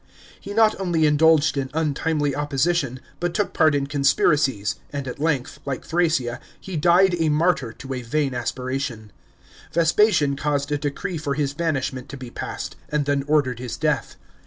He not only indulged in untimely opposi tion, but took part in conspiracies, and at length, like Thrasea, he died a martyr to a vain aspiration Vespasian caused a decree for his banishment to be passed, and then ordered his death.